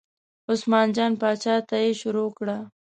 عثمان جان پاچا ته یې شروع کړه.